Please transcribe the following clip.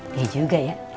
iya juga ya